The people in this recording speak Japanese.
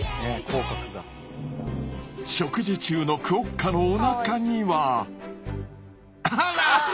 食事中のクオッカのおなかにはあら！